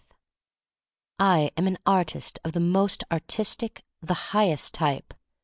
I AM an artist of the most artistic, the highest type.